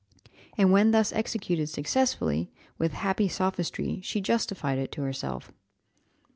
And when thus executed successfully, with happy sophistry she justified it to herself.